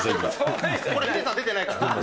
これヒデさん出てないから。